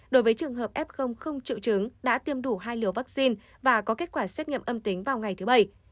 đối với trường hợp f không triệu chứng đã tiêm đủ hai liều vaccine và có kết quả xét nghiệm âm tính vào ngày thứ bảy